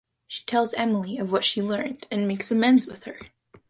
She tells Emily of what she learned and makes amends with her.